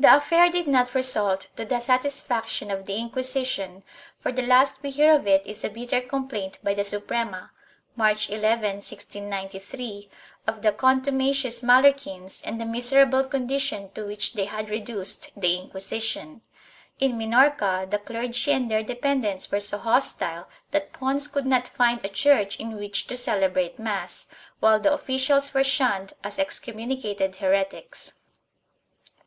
The affair did not result to the satisfaction of the Inquisi tion for the last we hear of it is a bitter complaint by the Suprema, March 11, 1693, of the contumacious Mallorquins and the miser able condition to which they had reduced the Inquisition. In Minorca, the clergy and their dependents were so hostile that Pons could not find a church in which to celebrate mass, while the officials were shunned as excommunicated heretics.